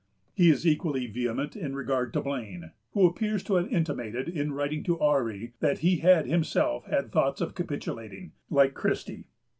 He is equally vehement in regard to Blane, who appears to have intimated, in writing to Ourry, that he had himself had thoughts of capitulating, like Christie.